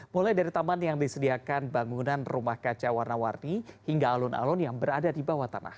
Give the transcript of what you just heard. mulai dari taman yang disediakan bangunan rumah kaca warna warni hingga alun alun yang berada di bawah tanah